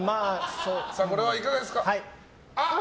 これはいかがですか？